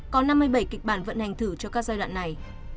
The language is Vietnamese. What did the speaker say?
có năm mươi bảy kịch bản vận hành thử cho các giai đoạn này